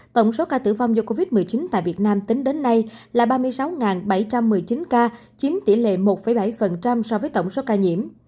tổng số ca tử vong do covid một mươi chín tại việt nam tính đến nay là ba mươi sáu bảy trăm một mươi chín ca chiếm tỷ lệ một bảy so với tổng số ca nhiễm